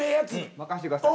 任してください。